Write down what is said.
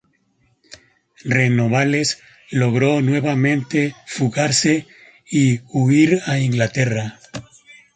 Renovales logró nuevamente fugarse y huir a Inglaterra.